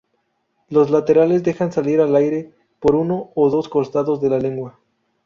Las laterales dejan salir el aire por uno o dos costados de la lengua.